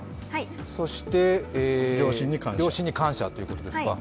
そして両親に感謝ということですか。